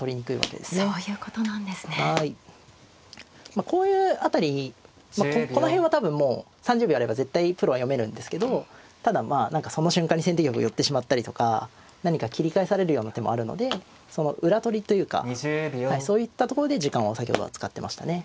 まあこういう辺りこの辺は多分もう３０秒あれば絶対プロは読めるんですけどただまあ何かその瞬間に先手玉寄ってしまったりとか何か切り返されるような手もあるのでその裏取りというかそういったところで時間を先ほどは使ってましたね。